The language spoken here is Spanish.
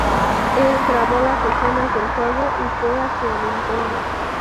Él grabó las escenas del juego y fue hacia Nintendo.